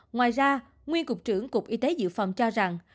ngoài ra nguyên cục trưởng cục y tế dự phòng cho rằng